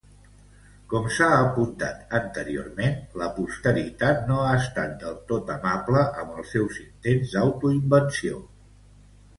Com s'ha apuntat anteriorment, la posteritat no ha estat del tot amable amb els seus intents d'auto-invenció.